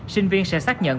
sinh viên sẽ xác nhận